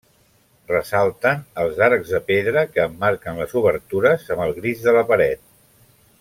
Ressalten els arcs de pedra que emmarquen les obertures amb el gris de la paret.